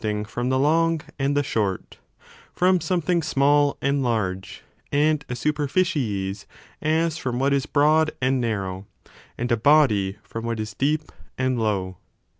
{ing from the long and the short, firom something mathematical small and large, and a superficies as from what is broad and narrow, and a body from what is deep and low.